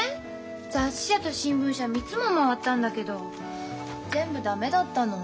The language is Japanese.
雑誌社と新聞社３つも回ったんだけど全部駄目だったの。